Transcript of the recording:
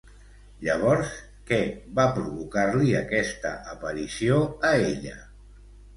Llavors, què va provocar-li aquesta aparició a ella?